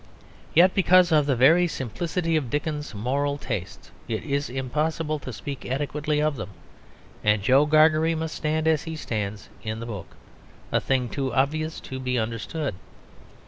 Yet because of the very simplicity of Dickens's moral tastes it is impossible to speak adequately of them; and Joe Gargery must stand as he stands in the book, a thing too obvious to be understood.